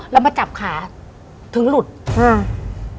แล้วมาจับขาถึงหลุดอ่า